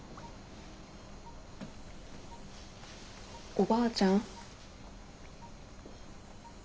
おばあちゃん。